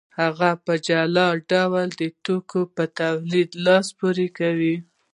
هغه په جلا ډول د توکو په تولید لاس پورې کوي